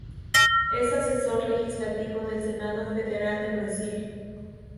Es asesor legislativo del Senado Federal de Brasil.